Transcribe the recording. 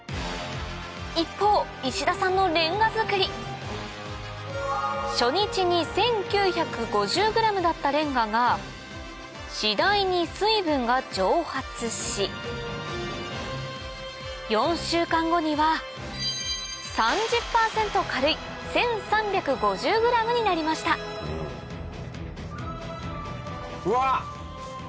一方石田さんのレンガ作り初日に１９５０ｇだったレンガが次第に水分が蒸発し４週間後には３０％軽い１３５０ｇになりましたうわ！